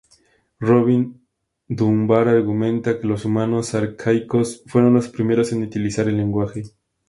Robin Dunbar argumenta que los humanos arcaicos fueron los primeros en utilizar el lenguaje.